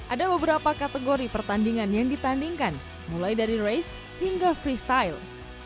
ada beberapa kategori pertandingan yang ditandingkan mulai dari race hingga freestyle